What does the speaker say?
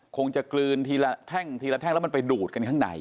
คงจะกลืนทีละแท่งแล้วมันไปดูดกันข้างใน